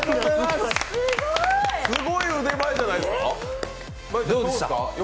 すごい腕前じゃないですか。